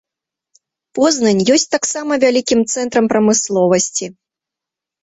Познань ёсць таксама вялікім цэнтрам прамысловасці.